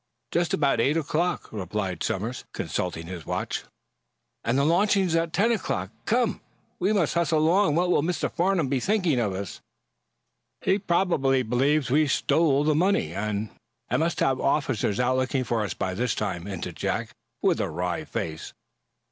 "Just about eight o'clock," replied Somers, consulting his watch. "And the launching is at ten o'clock. Come; we must hustle along. What will Mr. Farnum be thinking of us?" "He probably believes we stole the money, and he must have officers out looking for us by this time," hinted Jack; with a wry face.